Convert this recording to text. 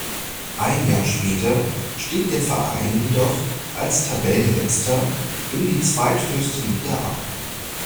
Ein Jahr später stieg der Verein jedoch als Tabellenletzter in die zweithöchste Liga ab.